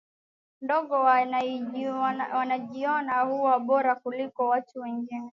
ndogo wanajiona kuwa bora kuliko watu wengine